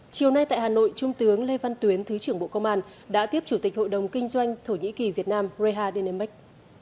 chiều nay tại hà nội trung tướng lê văn tuyến thứ trưởng bộ công an đã tiếp chủ tịch hội đồng kinh doanh thổ nhĩ kỳ việt nam reha denemec